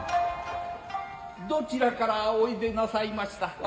どちらからお出でなさいました。